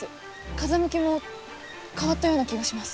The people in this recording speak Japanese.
風向きも変わったような気がします。